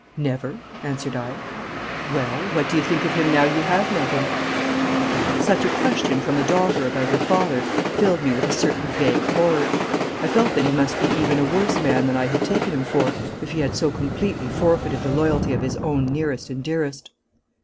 'Never,' answered I. 'Well, what do you think of him now you have met him?' Such a question from a daughter about her father filled me with a certain vague horror. I felt that he must be even a worse man than I had taken him for if he had so completely forfeited the loyalty of his own nearest and dearest.